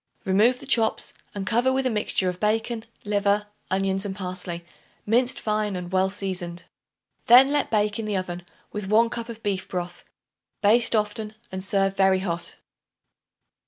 Remove the chops and cover with a mixture of bacon, liver, onions and parsley minced fine and well seasoned. Then let bake in the oven with 1 cup of beef broth. Baste often and serve very hot.